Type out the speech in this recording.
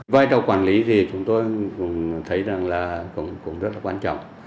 vai trò quản lý thì chúng tôi cũng thấy rằng là cũng rất là quan trọng